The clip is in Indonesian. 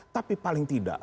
tapi paling tidak